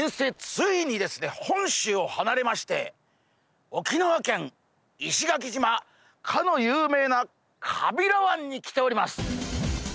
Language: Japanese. ついに本州を離れまして沖縄県石垣島、かの有名な川平湾に来ております。